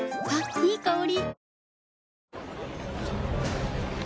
いい香り。